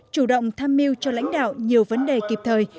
chủ động tham mưu cho lãnh đạo nhiều vấn đề kịp thời